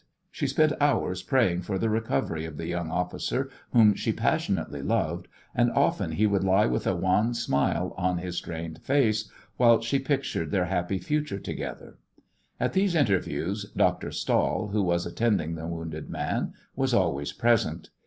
She spent hours praying for the recovery of the young officer whom she passionately loved, and often he would lie with a wan smile on his strained face whilst she pictured their happy future together. At these interviews Dr. Stahl, who was attending the wounded man, was always present.